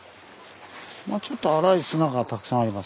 まあちょっと粗い砂がたくさんありますね。